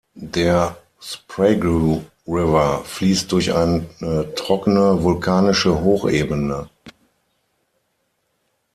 Der Sprague River fließt durch eine trockene vulkanische Hochebene.